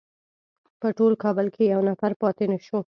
په ټول کابل کې یو نفر پاتې نه شو.